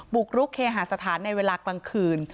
บุกรุกเคหาสถานในเวลากลางคืน